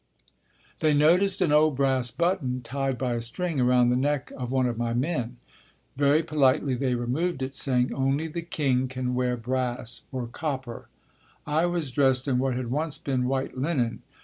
They noticed an old brass button tied by a string around the neck of one of my men. Very politely they removed it, saying, "Only the king can wear brass or copper." I was dressed in what had once been white linen.